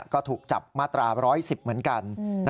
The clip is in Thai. ก็ถูกจับมาตรา๑๑๐เหมือนกัน